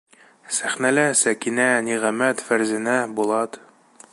Сәхнәлә Сәкинә, Ниғәмәт, Фәрзәнә, Булат.